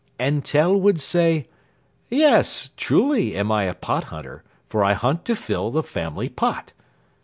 And Tell would say, "Yes, truly am I a pot hunter, for I hunt to fill the family pot."